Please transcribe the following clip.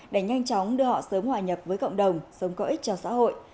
để nhanh chóng đưa họ sớm hòa nhập với cộng đồng sống có ích cho xã hội